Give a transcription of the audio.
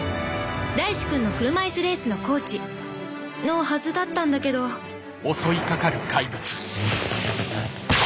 大志くんの車いすレースのコーチのはずだったんだけどやった！